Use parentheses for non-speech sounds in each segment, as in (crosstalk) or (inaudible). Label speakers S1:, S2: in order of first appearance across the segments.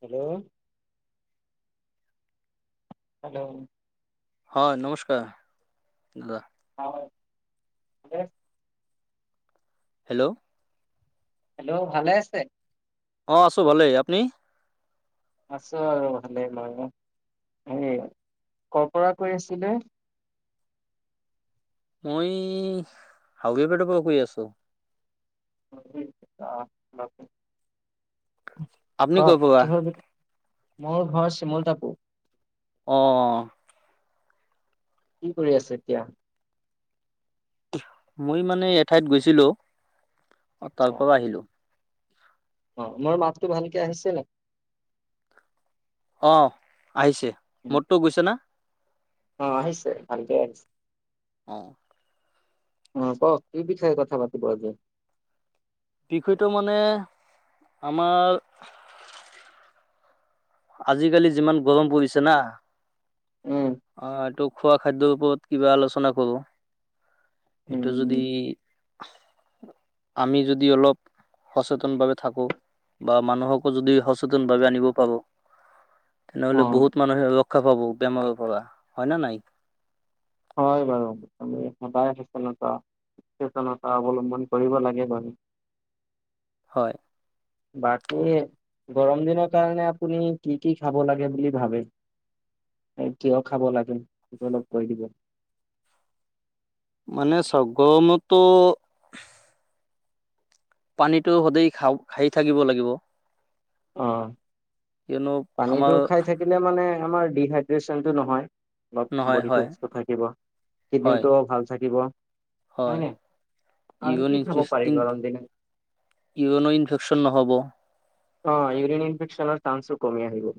S1: Hello. Hello?
S2: হয়, নমস্কাৰ দাদা।
S1: হয়, ত
S2: হেল্ল'?
S1: হেল্ল' ভালে আছে।
S2: অ, আছো ভালেই আপুনি?
S1: আছো আৰু ভালেই ল হ, কৰ পৰা কৈ আছিলে?
S2: মই হাউবে, পেটৰ পৰা কৈ আছো।
S1: অখম।
S2: আপুনি ক'ৰ
S1: কওক
S2: পৰা
S1: কিহ মোৰ ঘৰ চিমল তাপুৰ।
S2: অ'।
S1: কি কৰি আছে এতিয়া?
S2: মই মানে এ, ঠাইত গৈছিলো অ,
S1: আচ্ছা,
S2: তাৰ পৰা আহিলো।
S1: অ, মোৰ মাতটো ভালকে আহিছে ন।
S2: অ, আহিছে মোৰতটো গৈছে না।
S1: অ, আহিছে ভালকে আহিছে।
S2: অ'।
S1: আহ কওক এই বিষয়ে কথা পাতি ব, যায়।
S2: বিষয়টো মানে আমাৰ আজিকালি যিমান গৰম পৰিছে না,
S1: উম
S2: অ, এইটো খোৱা খাদ্যৰ ওপৰত কিবা আলোচনা কৰো। সেইটো যদি,
S1: উম
S2: আমি যদি অলপ সচেতনভাৱে থাকো, বা মানুহকো যদি সচেতনভাৱে আনিব পাব।
S1: অ
S2: তেনেহ'লে, বহুত মানুহে ৰক্ষা পাব বেমাৰ পৰা। হয়নে নাই?
S1: হয় বাৰু। আমি সদায় সচেনটা চেতনতা অৱলম্বন কৰিব লাগে বাৰু।
S2: হয়।
S1: বাকী গৰম দিনৰ কাৰণে, আপুনি কি কি খাব লাগে বুলি ভাবে? এই, কিয় খাব লাগে? সেইটো অলপ কৈ দিব।
S2: মানে চগমটো পানীটো সদাই খাওক, খাই থাকিব লাগিব।
S1: অ,
S2: কিয়নো
S1: পানীটো
S2: আমাৰ
S1: খাই থাকিলে মানে আমাৰ ডিহাইড্ৰেশ্যনটো নহয়। অলপ
S2: নহয়
S1: বডিটো
S2: হয়
S1: সুস্থ থাকিব,
S2: হয়
S1: কিডনীটো ভাল থাকিব।
S2: হয়।
S1: আৰু কি খাব পাৰি
S2: ইভনিউত্ৰিছইন
S1: গৰম
S2: টো
S1: দিনত
S2: ইউৰিনৰ ইনফেকশ্যন নহব।
S1: অ, ইউৰিন ইনফেকচনৰ চান্সো কমি আহিব।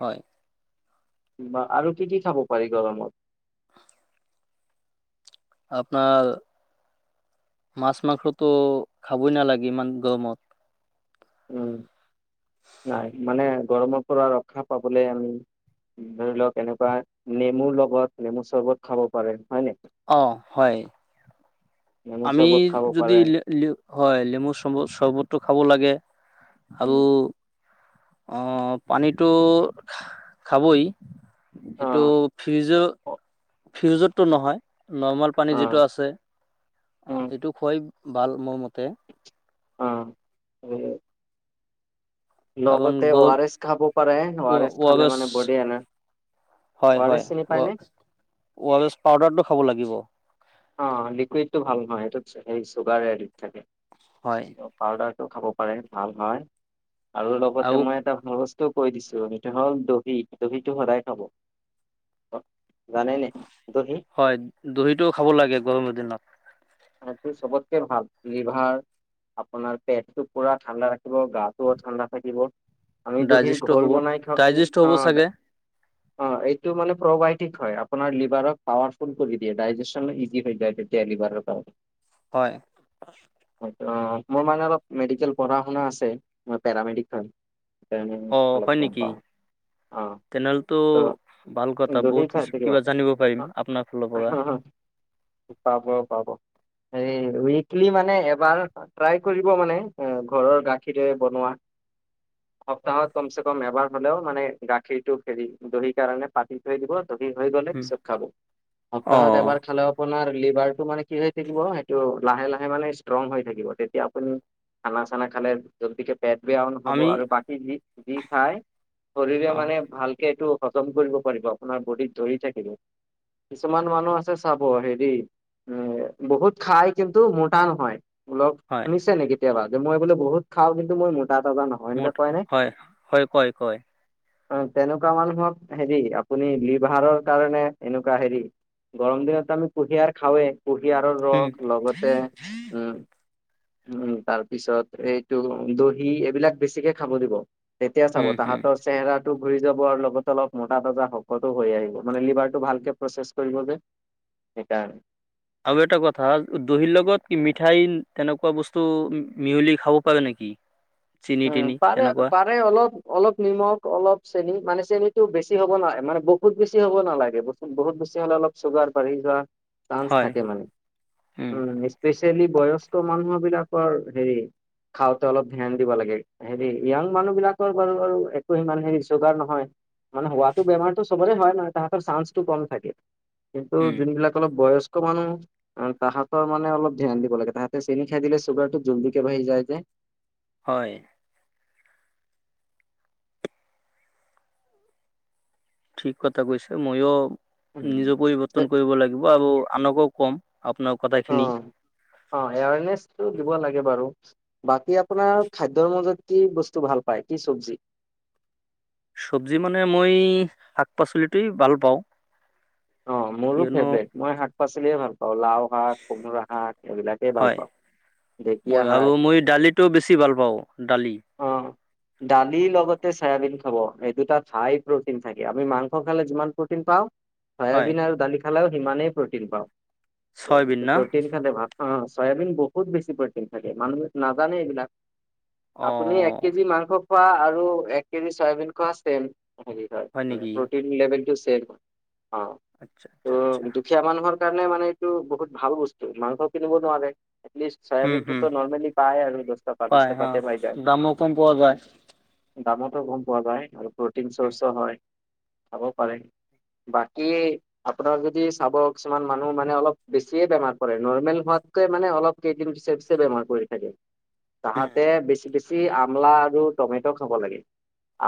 S2: হয়।
S1: বা আৰু কি, কি খাব পাৰি গৰমত?
S2: আপোনাৰ মাছ, মাংসটো খাবই নালাগে ইমান গৰমত।
S1: উম
S2: (inaudible)
S1: নাই, মানে গৰমৰ পৰা ৰক্ষা পাবলৈ আমি ধৰি লওক এনেকুৱা, নেমুৰ লগত, নেমু চৰ্বত খাব পাৰে। হয় নে?
S2: অ, হয়।
S1: নেমু
S2: আমি
S1: চৰ্বত খাব
S2: যদি
S1: পাৰে
S2: লে, লেম, হয়, লেমু চৰ্ব-চৰ্বতটো খাব লাগে।
S1: উম
S2: আবু অ, পানীটো খাবই। সেইটো
S1: অ',
S2: ফ্ৰিজৰ,
S1: অ',
S2: ফ্ৰউজতটো নহয়? নৰ্মেল পানী
S1: অ
S2: যিটো আছে,
S1: উম,
S2: সেইটো খুৱাই ভাল মোৰ মতে।
S1: অ, উম।
S2: কাৰণ
S1: লগতে অ,
S2: গল
S1: আৰ এছ খাব পাৰে, অ, আৰ এছ খালে
S2: ৱাৰেছ
S1: মানে বডি এনা
S2: হয়, হয়। ৱা, ৱাৰেছ পাউডাৰটো খাব লাগিব।
S1: অ, লিকুইডটো ভাল নহয়, এইটোত হেৰি চুগাৰ এডিত থাকে।
S2: হয়
S1: পাউদাৰ টো খাব পাৰে ভাল হয়। আৰু লগতে মই এটা ভাল বস্তু টো, কৈ দিছো, হেইটো হ'ল দহি, দহিটো সদায় খাব। জানেনে দহি
S2: হয়, দহিটো খাব লাগে, গৰমৰ দিনত।
S1: হেইটো চবতকে ভাল। লিভাৰ আপোনাৰ পেটটো পুৰা ঠাণ্ডা ৰাখ ব, গাটো ঠাণ্ডা থাকিব, আমি দহি
S2: ডাইজেষ্ট
S1: ঘোল
S2: হ'ব
S1: বনাই খাওঁ,
S2: ডাইজেষ্ট হ'ব
S1: অ'।
S2: চাগে
S1: অ, এইটো মানে প্ৰভাইড। ঠিক হয়। আপোনাৰ লিভক পাৱাৰফুল কৰি দিয়ে, ডাইজে্যনত ইজি হৈ যায় তেতিয়া লিভাৰৰ কাৰণে।
S2: হয়
S1: (unintelligible) মোৰ মানে অলপ মেডিকেল পঢ়া শুনা আছে। পেৰা মেডিকেল। এনে অলপ গম পাও, অ'।
S2: তেনেহলেটো
S1: ত
S2: ভাল কথা।
S1: দহি
S2: বহুত
S1: খাই
S2: কিছু
S1: থাকিবা
S2: কিবা জানিব পাৰিম, আপোনাৰ ফালৰ পৰা।
S1: পাব, পাব। এই, উইক্লি মানে এবাৰ ট্ৰাই কৰিব মানে, ঘৰৰ গাখীৰে বনোৱা। সপ্তাহত কমচে-কম এবাৰ হলেও মানে, গাখীৰটো হেৰি, দহি কাৰণে পাতি থৈ দিব। দহি হৈ গলে পিছত খাব।
S2: অ
S1: সপ্তাহত এবাৰ খালেও আপোনাৰ, লিভাৰ টো মানে কি হয় থাকিব, সেইটো লাহে লাহে মানে ষ্ট্ৰং হৈ থাকিব। তেতিয়া আপুনি খানা-চানা খালে জল্দিকে পেট বেয়াও নহব
S2: আমি
S1: আৰু বাকী যি, যি খাই, শৰীৰে
S2: হয়
S1: মানে ভালকে এইটো খতম কৰিব পাৰিব, আপোনাৰ বডিত ধৰি থাকিব। কিছুমান মানুহ আছে চাব হেৰি এ বহুত খাই কিন্তু মোটা নহয় লগ
S2: হয়
S1: শুনিছে নে, কেতিয়াবা? মই বোলে বহুত খাওঁ। কিন্তু মই মো তা, তজা নহয়
S2: মোৰ
S1: এনেকুৱা কয় নাই।
S2: হয় হয় কয় কয়
S1: অ, তেনেকুৱা মানুহক হেৰি আপুনি লিভাৰৰ কাৰণে এনেকুৱা হেৰি গৰম দিনত আমি কুহিয়াৰ খাওঁৱেই কুহিয়াৰৰ
S2: উম,
S1: ৰস লগতে, উম। উম, তাৰপিছত এইটো দহি এইবিলাক বেছিকে খাব দিব। তেতিয়া চাব
S2: উম, উম।
S1: তাহাঁতৰ চেহেৰা ঘূৰি যাব আৰু লগতে অলপ মতা তজা শকতো হৈ আহিব মানে লিভাৰটো ভালকে প্ৰচেছ কৰিব যে। সেইকাৰণ
S2: আৰু এটা কথা দহিৰ লগত কি মিঠাই তেনেকুৱা বস্তু মিহলি খাব পাৰে নেকি। চেনি
S1: উম,
S2: তেনি
S1: পাৰে,
S2: তেনেকুৱা
S1: পাৰে, অলপ, অলপ নিমখ অলপ চেনি মানে চেনীটো বেছি হ'ব নাগ মান বহুত বেছি হ'ব নালাগে। বতু বহুত বেছি হ'লে অলপ চুগাৰ বাঢ়ি যোৱা। চান্স
S2: হয়
S1: থাকে মানে
S2: উম
S1: উ, স্পেচিয়েলি বয়স মানুহ বিলাকৰ হেৰি খাওঁতে অলপ ধান দিব লাগে হেৰি য়াং মানুহ বিলাকৰ বাৰু আৰু একো সিমান হেৰি যোগাৰ নহয়। মানে হোৱাাতটো বেমাৰতটো সবৰে হয়, নাই, তাহাঁতৰ চান্সটো কম থাকে। কিন্তু
S2: উম
S1: যিবিলাক অলপ বয়স মানুহ তাহতৰ মানে অলপ ধ্যান দিব লাগে তাহাঁতে চেনি খাই দিলে চুগাৰটো জল্দি কে, ভাই যায়তে।
S2: হয়। ঠিক কথা কৈছে, ময়ো নিজে পৰিৱৰ্তন কৰিব লাগিব আৰু আনকও কম আপোনাৰ কথাখিনি।
S1: অ', অ', এৱাৰনেছটো দিব লাগে। বাৰু বাকী আপোনাৰ খাদ্যৰ মাজত কি বস্তু ভাল পায়, কি চবজি?
S2: চব্জি মানে মই শাক পাচলিটেই ভাল পাওঁ।
S1: অ, মোৰো
S2: কিয়নো
S1: ফেভৰেট মই শাক, পাচলিয়ে ভাল পাওঁ। লাও শাক, কোমোৰা শাক, এইবিলাকেই ভাল
S2: হয়
S1: পাওঁ। ঢেকীয়া
S2: মই আৰু
S1: শাক
S2: মই দালিটো বেছি ভাল পাওঁ, দালি।
S1: দালি লগতে চয়াবিন খাব, এই দুটাত হাই প্ৰটিন থাকে। আমি মাংস খালে যিমান প্ৰটিন পাওঁ।
S2: হয়
S1: চয়াবিন আৰু দালি খালেও সিমানেই প্ৰটিন পাওঁ ত
S2: চয়াবিন না
S1: প্ৰটিন খালে ভাল অ', চয়াবিন বহুত বেছি প্ৰটিন থাকে মানুহে নাজানে এইবিলাক। আপুনি এক
S2: অ'
S1: কেজি মাংস খোৱা আৰু এক কেজি চয়াবিন খোৱা চেম। হেৰি হয় মানে প্ৰটিন লেভেলটো চেম হয় অ',
S2: আচ্ছা আচ্ছা আচ্ছা
S1: ত' দুখীয়া মানুহৰ কাৰণে মানে এইটো বহুত ভাল বস্তু মাংস কিনিব নোৱাৰে এটলিষ্ট
S2: হুম
S1: চয়াবিন
S2: হুম
S1: টোতো নৰ্মেলি পায় আৰু দহটা প বিছ
S2: পাই
S1: টকা
S2: অ'
S1: পাই যায়
S2: দামো কম পোৱা যায়।
S1: দামতো গম পোৱা যায় আৰু প্ৰটিন চৰ্চো হয় খাব পাৰে। বাকী আপোনাৰ যদি চাব কিছুমান মানুহ মানে অলপ বেছিয়ে বেমাৰ পৰে নৰ্মেল হোৱাত কে মানে অলপ কেইদিন পিছে পিছে বেমাৰ পৰি থাকে
S2: উম,
S1: তাহত বেছি আমলা আৰু টমেটো খাব লাগে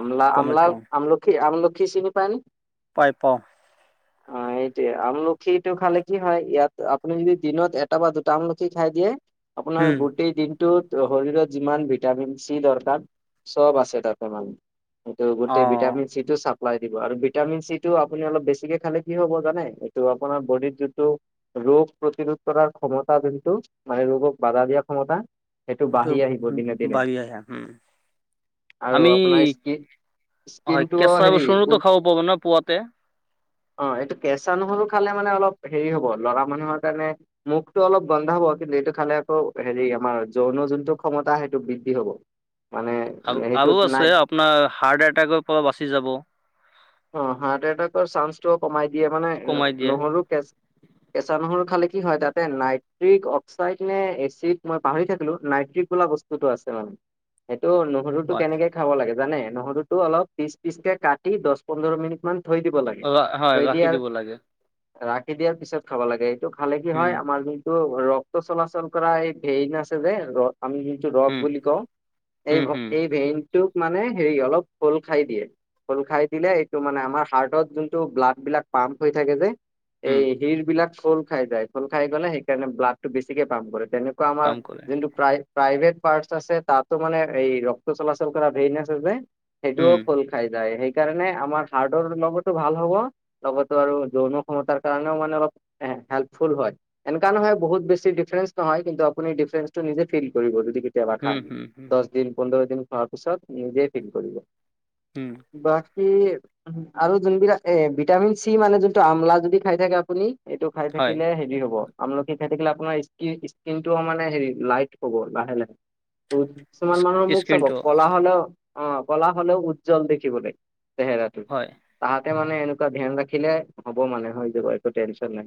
S1: আমলা, আমলা,
S2: টমেট'
S1: আমলখি আম ঘিচি পায়নে
S2: পাই পাওঁ।
S1: সেইটয়ে আমলখিটো খালে কি হয় ইয়াত আপুনি যদি দিনত এটা বা দুটা আমলখি খাই দিয়ে আপোনাৰ
S2: উম,
S1: গোটেই দিনটোত শৰীৰত যিমান ভিটামিন চি দৰকাৰ চব আছে ততে মান সেইটো গোটেই
S2: অ',
S1: ভিটামিন চিটো চাব ভিটামিন চিটো আপুনি অলপ বেছিকে খালে কি হ'ব জানে এইটো আপোনাৰ বডি যোনটো ৰোগ প্ৰতিৰোধ কৰাৰ ক্ষমতা যোন টো মানে ৰোগক বাধা দিয়া ক্ষমতা সেইটো
S2: এইটো
S1: বাঢ়ি আহি
S2: বাঢ়ি আহে উম।
S1: আৰু
S2: আমি
S1: আপোনাৰ স্কি
S2: হয় কেচা (unintelligible) খাব পাব ন পুৱাতে।
S1: অ', এইটো কেচা নহৰু খালে মানে অলপ হেৰি হ'ব লৰা মানুহৰ কাৰণে মুখটো অলপ গোন্ধব কিন্তু এইটো খালে আকৌ হেৰি আমাৰ যৌন যোনটো ক্ষমতা সেইটো বৃদ্ধি হব। মানে
S2: আ, আৰু
S1: সেইটোত নাই
S2: আছে আপোনাৰ হাৰ্ট এটাক পৰা বাচি যাব।
S1: অ', হাৰ্ট এটাক চান্সটোও কমাই দিয়ে মানে
S2: কমাই দিয়ে।
S1: নহৰু কেচ কেচা নহৰু খালি কি হয় তাতে নাইট্ৰিক অক্সাইড নে এচিড মই পাহৰি থাকিলোঁ নাইট্ৰিক লা বস্তুতটো আছে মানে সেইটো নহৰুতটো
S2: হয়,
S1: কেনেকে খাব লাগে জানে নহৰুতো অলপ পিচ পিচ কে কাটি দহ পোন্ধৰ মিনিট মান থৈ দিব লাগে
S2: ৰা হয়,
S1: থৈ
S2: ৰাখি
S1: দিয়াৰ
S2: দিব লাগে,
S1: ৰা দিয়াৰ পিছত খাব লাগে এইটো খালে কি
S2: উম,
S1: হয় আমাৰ যোনটো ৰক্ত চলাচল কৰা এই ভেইন আছে যে, ৰ আমি যিটো ৰক
S2: উম,
S1: বুলি কওঁ, এই
S2: হুম,
S1: ভক
S2: হুম,
S1: ভেইন তোক মানে হেৰি অলপ খোল খাই দিয়ে। খোল খাই দিলে এইটো মানে আমাৰ হাৰ্টত যোনটো ব্লাড বিলাক পাম্প হৈ থাকে যে
S2: হুম,
S1: এই শিৰ বিলাক খোল খাই যায় খোল খাই গলে সেইকাৰণে ব্লাড টো বেছিকে পাম্প কৰে। তেনেকুৱা আমাৰ
S2: কাম কৰে,
S1: যোনটো প্ৰায় প্ৰাইভেট পাৰ্টচ আছে তাতো মানে এই ৰক্ত চলাচল কৰা ভেইন আছে যে সেইটোও
S2: উম,
S1: খোল খাই যায় সেই সেইকাৰণে আমাৰ হাৰ্ড লগতো ভাল হ'ব। লগতো আৰু যৌন ক্ষমতাৰ কাৰণেও মানে অলপ হেল্পফুল হয় এনেকা নহয় বহুত বেছি ডিফাৰন্স নহয়। কিন্তু আপুনি ডিফাৰেণন্সটো নিজে ফিল কৰিব যদি কেতিয়াবা
S2: হুম,
S1: খাই
S2: হুম, হুম,
S1: দহ দিন পোন্ধৰ দিন খোৱাৰ পিছত নিজে ফিল কৰিব
S2: হুম,
S1: বা কি আৰু যোনবিলাক এ ভিটামিন চি মানে যোনটো আমলা যদি খাই থাকে আপুনি এইটো খাই
S2: হয়,
S1: থাকিলে হেৰি হব আমলখি খাই থাকিলে আপোনাৰ স্কিন টো মানে হেৰি লাইট হ'ব লাহে লাহে টো কিছুমান
S2: ইচ
S1: মানুহৰ মোক চাব
S2: স্ক্ৰীনটো
S1: কলা হলেও অ', কলা হলেও উজ্জ্বল দেখিব চেহেৰাটো
S2: হয়,
S1: তাহাত তাতে মানে এনেকুৱা ধ্যান ৰাখিলে হ'ব মানে হৈ যাব একো টেনচন নাই।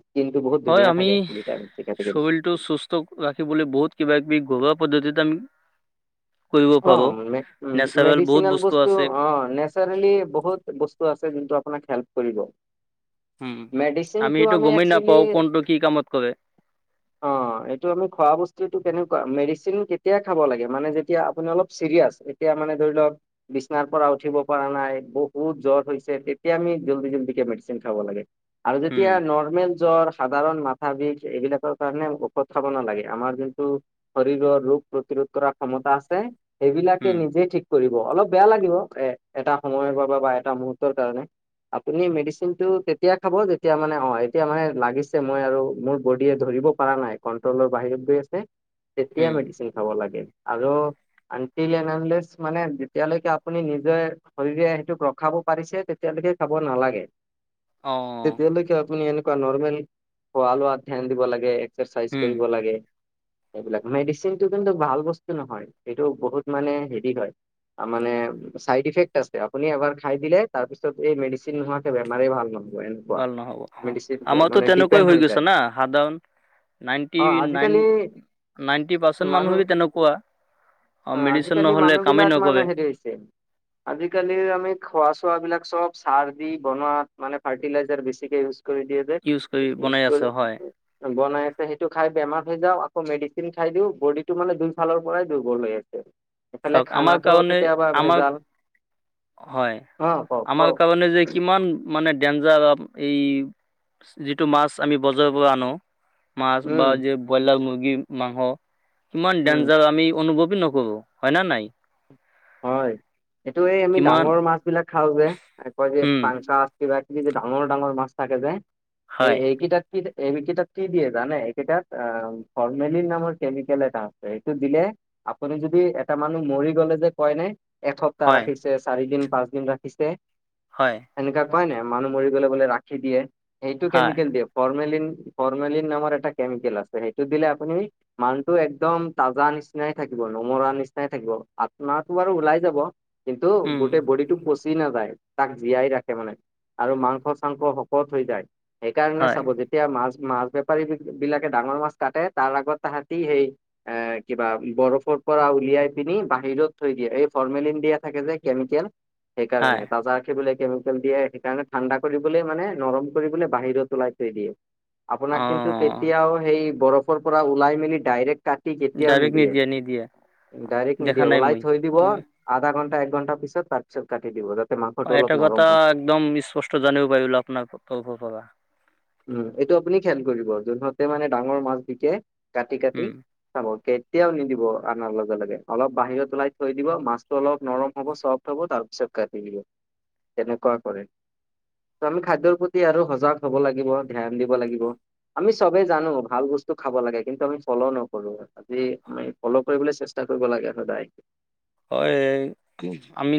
S1: স্কিনটো বহুত
S2: হয়
S1: ধুনীয়া
S2: আমি
S1: থাকে ভিটামিন চি খাই থাকিলে।
S2: শৰীৰটো সুস্থ ৰাখি বুলি বহুত কিবা- কিবি ঘৰুৱা পদ্ধতিত আমি কৰিব
S1: অ,
S2: পাৰোঁ,
S1: মে,
S2: নেচাৰেল বহুত
S1: মেডিচনেল বস্তু
S2: আছে।
S1: অ, নেচাৰেলি বহুত বস্তু টো, আপোনাক হেল্প কৰিব।
S2: উম,
S1: মেডিচিনটো
S2: এইটো
S1: আমি
S2: গমেই
S1: একচেলি
S2: নাপাওঁ কোনটো কি কামত কৰে।
S1: অ, এইটো আমি খোৱা বস্তুটো কেনেকুৱা মেডিচিন কেতিয়াই খাব লাগে মানে যেতিয়া আপোনালোক চিৰিয়াচ এতিয়া মানে ধৰি লওক বিছনাৰ পৰা উঠিব পৰা নাই বহুত জ্বৰ হৈছে। তেতিয়া আমি জল জে মেডিচিন খাব লাগে আৰু
S2: উম,
S1: যেতিয়া নৰ্মেল জ্বৰ সাধাৰণ মাথা বিষ এ এইবিলাকৰ কাৰণে ঔষধ খব নালাগে। আমাৰ যোনটো শৰীৰৰ ৰোগ প্ৰতিৰোধ কৰাাৰ ক্ষমতা আছে। ছে সেইবিলাকে
S2: উম,
S1: নিজে ঠিক কৰিব অলপ বেয়া লাগিব এ এটা সময়ৰ বাবে বা এটা মুহুৰৰ্তৰ কাৰণে। আপুনি মেডিচিনটো তেতিয়া খাব যেতিয়া মানে অ এতিয়া মানে লাগিছে মই মোৰ বডীয়ে ধৈ ব পাৰা নাই, কণ্ট্ৰলৰ বাহিৰত গৈ আছে, তেতিয়া
S2: উম,
S1: মেডিচিন খাব লাগে আৰু উন্তিল ইয়া উনলেছ মানে যেতিয়ালৈকে আপুনি নিজে, শৰীৰে সেইটোক ৰখাব পাৰিছে, তেতিয়া তাকে খাব নালাগে।
S2: অ',
S1: তেতিয়ালৈকে আপুনি এনেকুৱা নৰ্মেল খোৱা লোৱাত ধ্যান দিব লাগে। এক্সাৰচাইজ
S2: উম,
S1: কৰিব লাগে, এইবিলাক মেডিচিনটো কিন্তু ভাল বস্তু নহয়। সেইটো বহুত মানে হেৰি হয়। মানে চাইড ইফেক্ট আছে, আপুনি এবাৰ খাই দিলে তাৰপিছত এই মেডিচিন নোহোৱাকে বেমাৰেই ভাল নহয়।
S2: ভাল নহ'ব। অ, আমাৰতো তেনেকুৱাই
S1: ডিপেণ্ড
S2: হৈ গৈছে
S1: যায়
S2: না সাধন নাইনটি
S1: অ
S2: নাইন,
S1: আজিকালি
S2: নাইনটি পাৰ্চেন্ট
S1: মানুহ
S2: মানুহো যদি তেনেকুৱা।
S1: অ
S2: মেডিচিন
S1: আজিকালি
S2: নহ'লে
S1: মানুহ
S2: কামেই
S1: বিলাক মানে
S2: নকৰে।
S1: হেৰি হৈছে আজিকালি আমি খোৱা চো চোবিলাক চব সাৰ দি বনাত মানে ফাৰ্টিলাইজাৰ বেছিকে ইউ কৰি দিয়ে যে।
S2: ইউজ কৰি বনাই
S1: সেইটো
S2: আছে হয়,
S1: বনাই পেলাই খাই বেমাৰ হৈ আ আকৌ মেডিচিন খাই দিও বডিটো মানে দুই ফালৰ পৰাই দুৰ্বল হৈ আছে। সফালে
S2: চাওক আমাৰ
S1: খানাতো
S2: কাৰণে
S1: কেতিয়াবা
S2: আমাৰ
S1: ভেজাল।
S2: হয়,
S1: অ কওক
S2: আমাৰ
S1: কওক
S2: কাৰণে যে কিমান মানে ডেঞ্জাৰ এই যিটো মাছ আমি বজাৰৰ পৰা আনো। মাছ বা
S1: উম
S2: যে ব্ৰইলাৰ মুৰ্গী মাংস কিমান
S1: উম
S2: ডেঞ্জাৰ আমি অনুভৱ নকৰো হয় ন, নাই।
S1: হয়, এইটো এই আমি
S2: কিমান
S1: ডাঙৰ মাছ বিলাক খাও যে, কয় যে
S2: উম
S1: পাংখাবাক যে, ডাঙৰ, ডাঙৰ মাছ থাকে যে এই
S2: হয়
S1: এইকেইটাত কি? এইকেইটাক কি দিয়ে জানে এইকেইটাত ফৰৰ্মেলিন নামৰ কেমিকেল এটা আছে, এইটো দিলে আপুনি যদি এটা মানুহ মৰি গলে যে হয়, ন, এসপ্তাহ
S2: হয়
S1: ৰাখিছে, চাৰি দিন, পাঁচ দিন ৰাখিছে।
S2: হয়।
S1: উপাই নাই, মানুহ মৰি গলে বোলে ৰাখি দিয়ে, সেইটো
S2: হয়
S1: কেমিকেল দিয়ে ফিন ফ, নামৰ এটা কেমিকেল আছে, সেইটো দিলে আপুনি মানটো একদম তাজা নিচিনাই থাকে। নমৰা নিচিনাই থাকিব। আত্মটো বাৰু ওলাই যাব কিন্তু
S2: উম
S1: গোটেই বডিক চি, নাযায় তাক জীয়াই ৰাখে মানে আৰু মাংস, চাংস শকত হৈ যায়। সেইকাৰণে
S2: হয়
S1: চাব যেতিয়া মাছ মাছ বেপাৰী বিলাকে ডাঙৰ মাছ কাটে, তাৰ আগত তাহাঁতি সেই আ, কিবা বৰফৰ পৰা উলিয়াই পিনি বাহিৰত থৈ দিয়ে, এই ফৰ্মেলিন দিয়া থাকে যে, কেমিকেল
S2: হয়
S1: সেইকাৰণে তাজা আখি ব কেমিকেল দিয়ে, সেইকাৰণে ঠাণ্ডা কৰিবলৈ মানে নৰম কৰিব বাহিৰত ওলাই থৈ দিয়ে। আপোনাক কিন্তু
S2: অঁ
S1: কেতিয়াও সেই বৰফৰ পৰা ওলাই মেলি ডাইৰেক্ট কাটি, কেতিয়াও
S2: ডাইৰেক্ট
S1: নিদিয়ে,
S2: নিদিয়ে
S1: ডাইৰেক্ট
S2: দেখা
S1: নিদিয়ে
S2: নাই
S1: ওলাই।
S2: মই
S1: থৈ দিব
S2: মই
S1: আধা ঘণ্টা, এক ঘণ্টাাৰ পিছত তাৰপিছত কাটি দিব।
S2: অ,
S1: মাংসটো অলপ
S2: এটা
S1: নৰম
S2: কথা
S1: হয়
S2: একদম স্পষ্ট জানিবও পাৰিল আপোনাৰ পাবা।
S1: উম, এইটো আপুনি খয়াল কৰিব যোনহতে মানে ডাঙৰ মাছ বিকে। কাটি, কাটি
S2: উম
S1: হ'ব কে এতিয়াও নিদিব অনাৰ লগে, লগে অলপ বাহিৰত ওলাই থৈ দিব। মাছতটো অলপ নৰম হ'ব চফ্ট হ'ব তাৰপিছত কাটি দিলোঁ তেনেকুৱা কৰে। আমি খাদ্যৰ প্ৰতি আৰু সজাগ হ'ব লাগে। লাগিব ধ্যান দিব লাগিব। আমি চবে জানোঁ ভাল বস্তু খাব লাগে, কিন্তু আমি ফ্ৰলো নকৰোঁ। আজি আম ফ্ৰলো কৰিবলৈ চেষ্টা কৰিব লাগে সদায়।
S2: হয় এই, আমি